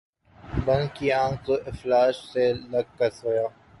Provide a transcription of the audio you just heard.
بند کی آنکھ ، تو افلاک سے لگ کر سویا